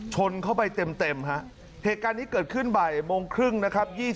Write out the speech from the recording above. ชนเข้าไปเต็มฮะเหตุการณ์นี้เกิดขึ้นบ่ายโมงครึ่งนะครับ